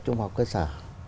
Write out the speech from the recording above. trung học cơ sở